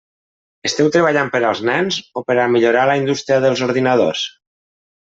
Esteu treballant per als nens o per a millorar la indústria dels ordinadors?